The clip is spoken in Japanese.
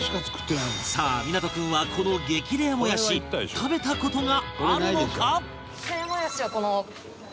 さあ湊君はこの激レアもやし食べた事があるのか？